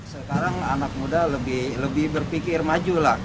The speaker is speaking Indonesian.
sekarang anak muda lebih berpikir maju lah